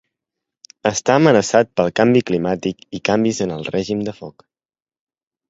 Està amenaçat pel canvi climàtic i canvis en el règim de foc.